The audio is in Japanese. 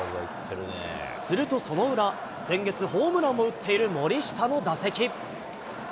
するとその裏、先月、ホームランも打っている森下の打席。